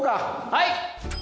はい！